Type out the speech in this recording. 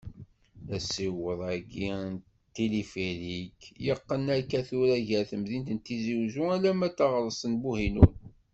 Asiweḍ-agi s tilifirik, yeqqen akka tura gar temdint n Tizi Uzzu alamma taɣrest n Buhinun.